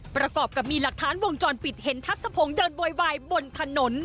ประกอบกับมีหลักฐานวงจรปิดเห็นทักษะพงศ์เดินโวยวายบนถนน